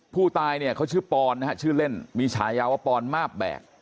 ผู้ตายเนี่ยเขาชื่อปอนนะฮะชื่อเล่นมีฉายาว่าปอนมาบแบก